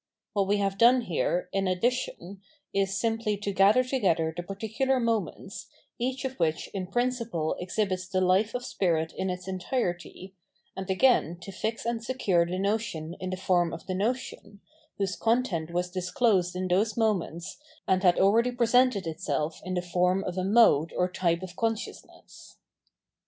What we have done here, in addition, is simply to gather together the particular moments, each of which in principle exhibits the life of spirit in its entirety, and again to fix and secure the notion in the form of the notion, whose content was disclosed in those moments and had already pre sented itseh in the form of a mode or type of con sciousness.